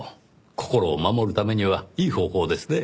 心を守るためにはいい方法ですねぇ。